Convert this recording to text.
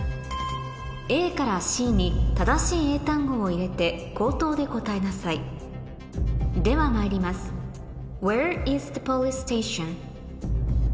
ＡからＣに正しい英単語を入れて口頭で答えなさいではまいります「ＷｈｅｒｅｉｓｔｈｅＰｏｌｉｃｅＳｔａｔｉｏｎ？」